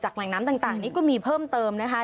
แหล่งน้ำต่างนี้ก็มีเพิ่มเติมนะคะ